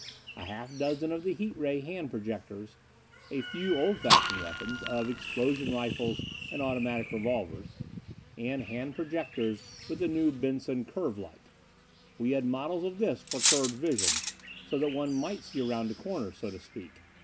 A half dozen of the heat ray hand projectors; a few old fashioned weapons of explosion rifles and automatic revolvers. And hand projectors with the new Benson curve light. We had models of this for curved vision, so that one might see around a corner, so to speak.